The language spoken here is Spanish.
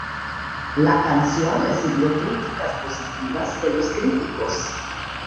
La canción recibió críticas positivas de los críticos.